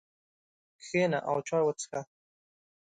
کښېنه او چای وڅښه.